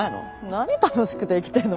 何楽しくて生きてんの？